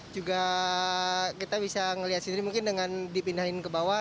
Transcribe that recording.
juga kita bisa melihat sendiri mungkin dengan dipindahin ke bawah